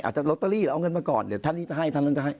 ลอตเตอรี่หรือเอาเงินมาก่อนเดี๋ยวท่านนี้จะให้ท่านนั้นก็ให้